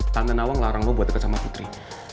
tante nawang larang lo buat deket sama putri